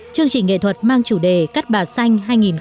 chương trình nghệ thuật mang chủ đề cát bà xanh hai nghìn một mươi chín